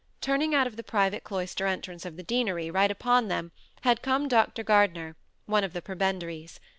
Turning out of the private cloister entrance of the deanery, right upon them, had come Dr. Gardner, one of the prebendaries.